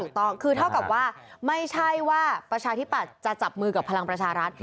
ถูกต้องคือเท่ากับว่าไม่ใช่ว่าประชาธิปัตย์จะจับมือกับพลังประชารัฐ